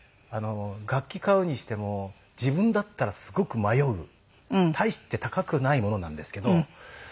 楽器買うにしても自分だったらすごく迷う大して高くないものなんですけど。